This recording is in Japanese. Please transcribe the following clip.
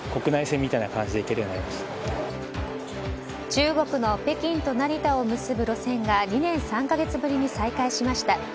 中国の北京と成田を結ぶ路線が２年３か月ぶりに再開しました。